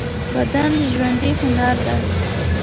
بدن د ژوندۍ هنر دی.